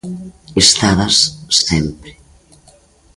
Estabas sempre.